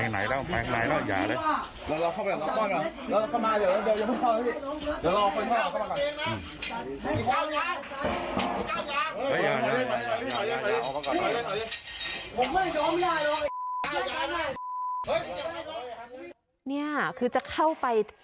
เนี่ยคือจะเข้าไปที่นี่นะครับ